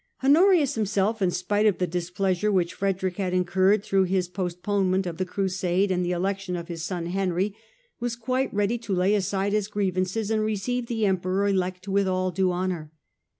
Honorius himself, in spite of the displeasure which Frederick had incurred through his postponement of the Crusade and the election of his son Henry, was quite ready to lay aside his grievances and receive the Emperor elect with all due honour.